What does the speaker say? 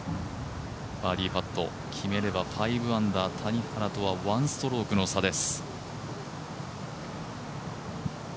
バーディーパット決めれば５アンダー谷原とは１ストロークの差です。